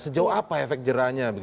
sejauh apa efek jerahnya